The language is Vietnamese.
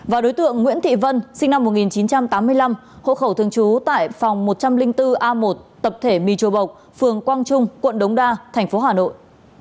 và đối tượng nguyễn thị vân sinh năm một nghìn chín trăm tám mươi năm hộ khẩu thường trú tại phòng một trăm linh bốn a một tập thể mì chùa bộc phường quang trung quận đống đa thành phố hà nội